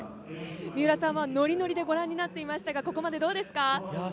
三浦さんはノリノリでご覧になってましたがここまでいかがですか。